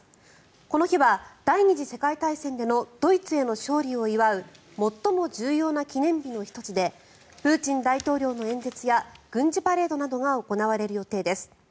この日は第２次世界大戦でのドイツへの勝利を祝う最も重要な記念日の１つでプーチン大統領の演説や軍事パレードなどが行われる予定です。